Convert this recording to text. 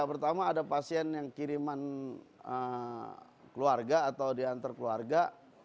pertama ada pasien yang kiriman keluarga atau diantar keluarga